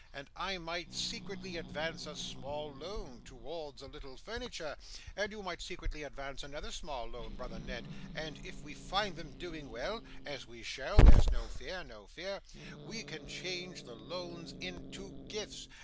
And I might secretly advance a small loan towards a little furniture, and you might secretly advance another small loan, brother Ned; and if we find them doing well as we shall; there's no fear, no fear we can change the loans into gifts.